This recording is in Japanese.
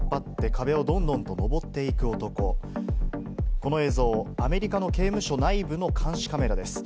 この映像、アメリカの刑務所内部の監視カメラ映像です。